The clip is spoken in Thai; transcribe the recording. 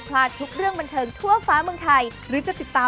พอได้ครับ